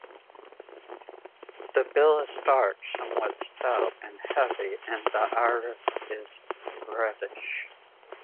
The bill is dark, somewhat stout and heavy and the iris is reddish.